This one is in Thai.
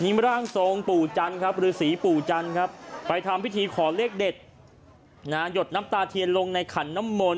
นิร่างโทรงปู่จันทร์ครับหรือศรีปู่จันทร์ครับ